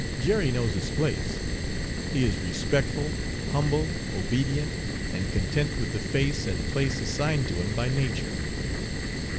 Jerry knows his place, he is respectful, humble, obedient, and content with the face and place assigned to him by nature."